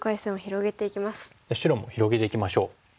白も広げていきましょう。